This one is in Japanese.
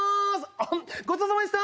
あむごちそうさまでしたー！